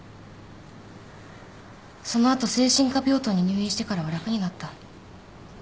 その後精神科病棟に入院してからは楽になった。